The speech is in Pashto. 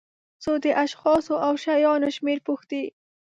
څو د اشخاصو او شیانو شمېر پوښتي.